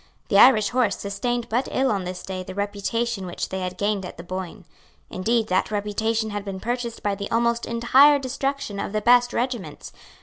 The Irish horse sustained but ill on this day the reputation which they had gained at the Boyne. Indeed, that reputation had been purchased by the almost entire destruction of the best regiments.